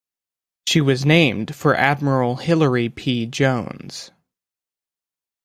She was named for Admiral Hilary P. Jones.